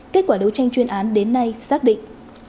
kết quả đấu tranh chuyên án đến nay xác định